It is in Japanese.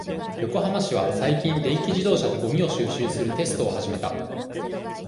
横浜市は、最近、電気自動車で、ごみを収集するテストを始めた。